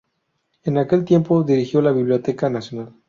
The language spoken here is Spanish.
En aquel tiempo, dirigió la Biblioteca Nacional.